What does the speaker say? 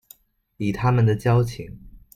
以他們的交情